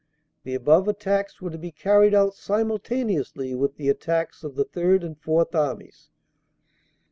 The above attacks were to be carried out simultaneously with the attacks of the Third and Fourth Armies.